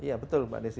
ya betul mbak desy